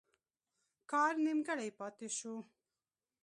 کار نیمګړی پاته شو.